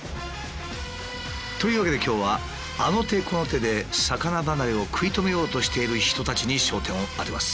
というわけで今日はあの手この手で魚離れを食い止めようとしている人たちに焦点を当てます。